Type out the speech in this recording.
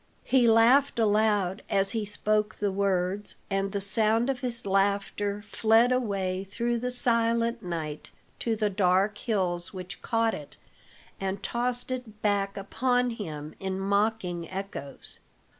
He laughed aloud as he spoke the words, and the sound of his laughter fled away through the silent night to the dark hills which caught it and tossed it back upon him in mocking echoes.